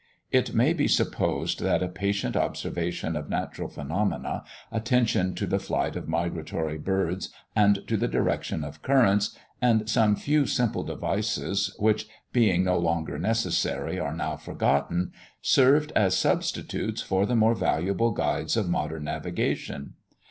It may be supposed that a patient observation of natural phenomena, attention to the flight of migratory birds and to the direction of currents, and some few simple devices which, being no longer necessary, are now forgotten, served as substitutes for the more valuable guides of modern navigation.